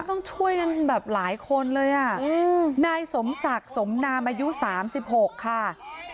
ต้องช่วยกันแบบหลายคนเลยอ่ะนายสมศักดิ์สมนามอายุ๓๖ค่ะ